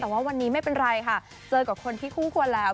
แต่ว่าวันนี้ไม่เป็นไรค่ะเจอกับคนที่คู่ควรแล้ว